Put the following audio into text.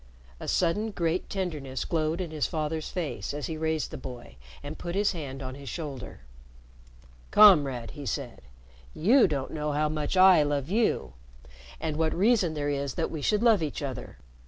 A sudden great tenderness glowed in his father's face as he raised the boy and put his hand on his shoulder. "Comrade," he said, "you don't know how much I love you and what reason there is that we should love each other!